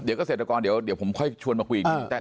เดี๋ยวเกษตรกรเดี๋ยวผมค่อยชวนมาคุยอีกที